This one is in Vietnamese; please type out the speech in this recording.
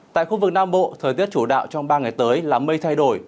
tại khu vực nam bộ thời tiết chủ đạo trong ba ngày tới là mây thay đổi